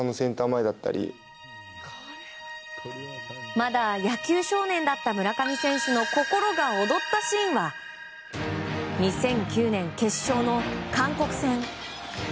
まだ野球少年だった村上選手の心が躍ったシーンは２００９年、決勝の韓国戦。